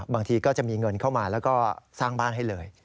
บางทีก็จะมีเงินเข้ามาแล้วก็สร้างบ้านให้เลย